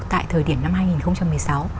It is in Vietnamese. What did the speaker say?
tại thời điểm năm hai nghìn một mươi sáu